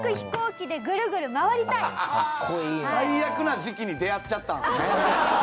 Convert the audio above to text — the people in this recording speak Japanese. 最悪な時期に出会っちゃったんですね。